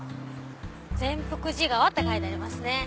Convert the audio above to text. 善福寺川って書いてありますね